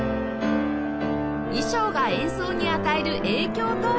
衣装が演奏に与える影響とは？